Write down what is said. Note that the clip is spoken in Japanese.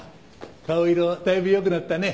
顔色だいぶ良くなったね。